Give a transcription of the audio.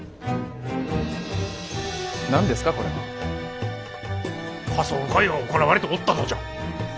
何ですかこれは。仮装会が行われておったとじゃ。